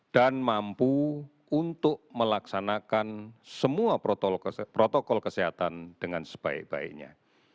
dan mampu untuk melaksanakan semua protokol kesehatan dengan sebaik baiknya